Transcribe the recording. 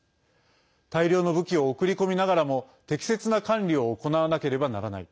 大量の武器を送り込みながらも適切な管理を行わなければならない。